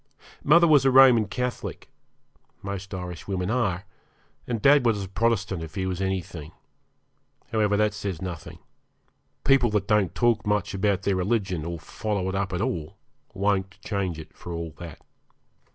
Mother was a Roman Catholic most Irishwomen are; and dad was a Protestant, if he was anything. However, that says nothing. People that don't talk much about their religion, or follow it up at all, won't change it for all that.